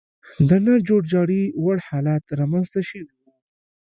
د نه جوړجاړي وړ حالت رامنځته شوی و.